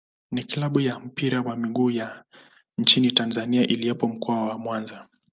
ni klabu ya mpira wa miguu ya nchini Tanzania iliyopo Mkoa wa Mwanza.